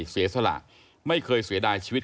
เสียสละไม่เคยเสียดายชีวิต